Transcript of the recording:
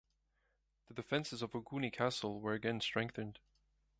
The defenses of Oguni Castle were again strengthened.